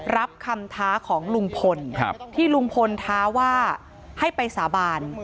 รับคำท้าของลุงพลที่ลุงพลท้าว่าให้ไปสาบาน